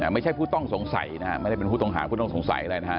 ไม่ใช่ผู้ต้องสงสัยนะครับไม่ได้เป็นผู้ต้องหาผู้ต้องสงสัยอะไรนะครับ